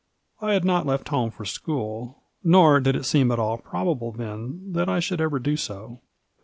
I had not left home for school, nor did it seem at all prob able then that I should ever do so.